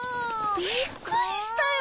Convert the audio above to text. びっくりしたよ